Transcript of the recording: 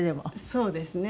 そうですね